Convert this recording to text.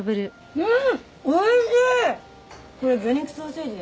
うん？